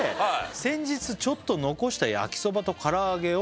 「先日ちょっと残した焼きそばとからあげを」